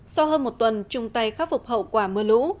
sau hơn một tuần chung tay khắc phục hậu quả mưa lũ